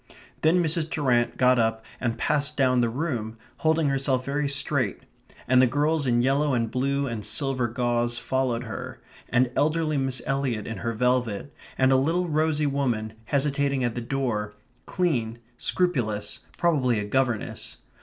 Then Mrs. Durrant got up and passed down the room, holding herself very straight, and the girls in yellow and blue and silver gauze followed her, and elderly Miss Eliot in her velvet; and a little rosy woman, hesitating at the door, clean, scrupulous, probably a governess.